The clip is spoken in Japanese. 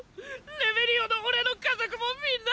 レベリオのオレの家族もみんな⁉